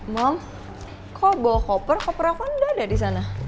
mom kok bawa koper koper aku aja gak ada di sana